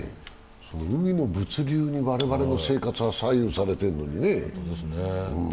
海の物流に我々の生活が左右されているのにね。